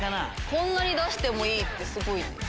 こんなに出してもいいってすごいね。